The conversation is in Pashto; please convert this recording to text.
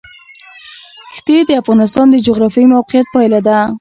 ښتې د افغانستان د جغرافیایي موقیعت پایله ده.